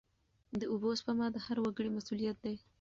د اوبو سپما د هر وګړي مسوولیت دی.